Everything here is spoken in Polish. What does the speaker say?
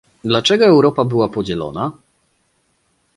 Dlaczego Europa była podzielona?